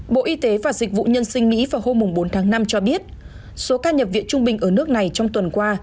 bộ y tế và dịch vụ nhân sinh mỹ vào hôm bốn tháng năm cho biết số ca nhập viện trung bình ở nước này trong tuần qua